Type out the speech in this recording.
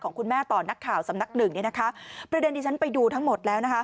ของคุณแม่ต่อนักข่าวสำนักหนึ่งประเด็นที่ฉันไปดูทั้งหมดแล้ว